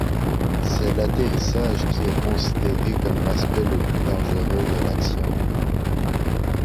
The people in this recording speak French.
C’est l’atterrissage qui est considéré comme l’aspect le plus dangereux de l’action.